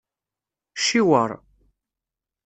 Ciweṛ.